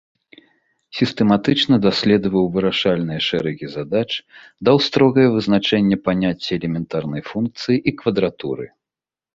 Сістэматычна даследаваў вырашальныя шэрагі задач, даў строгае вызначэнне паняцця элементарнай функцыі і квадратуры.